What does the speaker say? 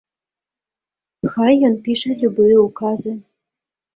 Хай ён піша любыя ўказы.